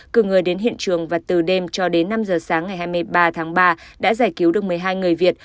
cử người đến hiện trường và từ đêm cho đến năm giờ sáng ngày hai mươi ba tháng ba đã giải cứu được một mươi hai người việt